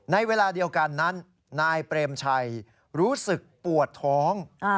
ในเวลาเดียวกันนั้นนายเปรมชัยรู้สึกปวดท้อง